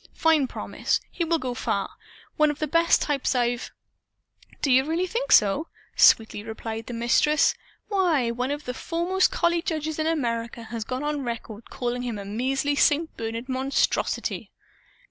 Fine promise. He will go far. One of the best types I've " "Do you really think so?" sweetly replied the Mistress. "Why, one of the foremost collie judges in America has gone on record as calling him a 'measly St. Bernard monstrosity.'"